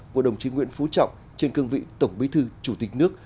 của đồng chí nguyễn phú trọng trên cương vị tổng bí thư chủ tịch nước